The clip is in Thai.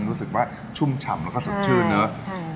รู้สึกว่าชุ่มฉ่ำแล้วก็สดชื่นเนอะ